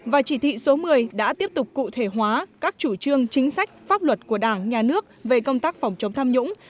và chỉ thị số một mươi đã tiếp tục cụ thể hóa các chủ trương chính sách pháp luật của đảng nhà nước về công tác phòng chống tham nhũng